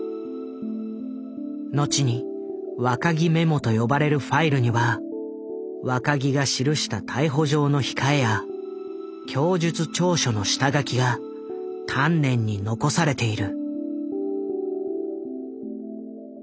後に「若木メモ」と呼ばれるファイルには若木が記した逮捕状の控えや供述調書の下書きが丹念に残されている。